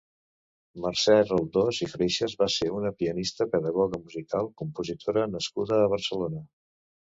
Mercè Roldós i Freixes va ser una pianista, pedagoga musical, compositora nascuda a Barcelona.